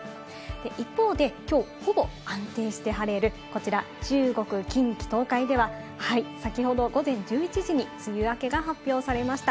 一方できょう、ほぼ安定して晴れるこちら、中国、近畿、東海では先ほど午前１１時に梅雨明けが発表されました。